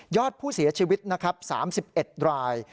อดผู้เสียชีวิตนะครับ๓๑ราย